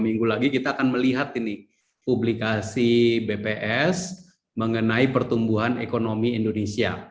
minggu lagi kita akan melihat ini publikasi bps mengenai pertumbuhan ekonomi indonesia